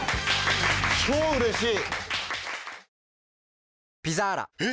超うれしい。